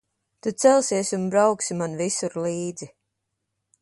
Tu celsies un brauksi man visur līdzi.